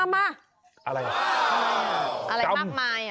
อะไรอะไรมากมาย